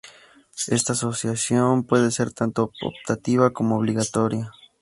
Esta asociación puede ser tanto optativa como obligatoria.